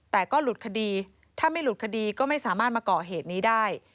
แต่ก็หลุดคดีถ้าไม่หลุดคดีก็ไม่สามารถมาก่อเหตุนี้ได้